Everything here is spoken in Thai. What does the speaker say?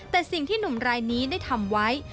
แต่สิ่งที่หนุ่มรายนี้ได้ทำไว้